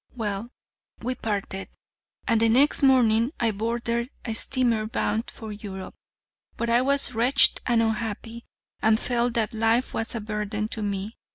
"'Well, we parted, and the next morning I boarded a steamer bound for Europe. But I was wretched and unhappy, and felt that life was a burden to me.